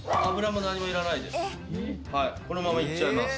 このままいっちゃいます。